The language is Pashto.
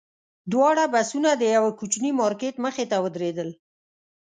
دواړه بسونه د یوه کوچني مارکېټ مخې ته ودرېدل.